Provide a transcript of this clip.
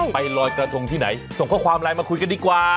ไปลอยกระทงที่ไหนส่งข้อความไลน์มาคุยกันดีกว่า